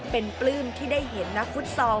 เป็นปลื้มที่ได้เห็นนักฟุตซอล